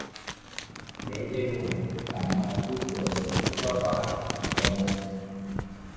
Đến đêm ngủ phải mà chút cửa sổ cho thoáng kẻo ngột